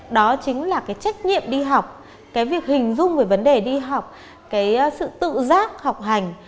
đó chính là cái trách nhiệm đi học cái việc hình dung về vấn đề đi học cái sự tự giác học hành